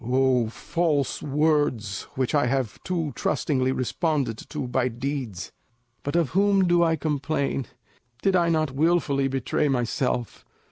O false words which I have too trustingly responded to by deeds! But of whom do I complain? Did I not wilfully betray myself?